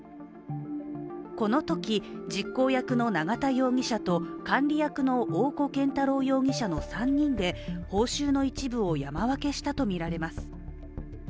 このとき、実行役の永田容疑者と管理役の大古健太郎容疑者の３人で、報酬の一部を山分けしたと見られます。